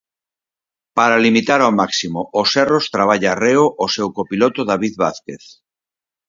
Para limitar ao máximo os erros traballa arreo o seu copiloto David Vázquez.